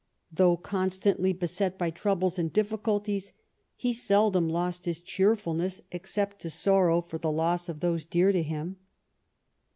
Though constantly beset by troubles and difficulties, he seldom lost his cheerfulness, except to sorrow for the loss of those dear to him.